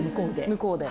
向こうで？